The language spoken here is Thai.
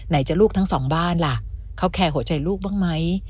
จะลูกทั้งสองบ้านล่ะเขาแคร์หัวใจลูกบ้างไหม